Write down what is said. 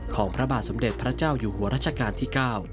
พระบาทสมเด็จพระเจ้าอยู่หัวรัชกาลที่๙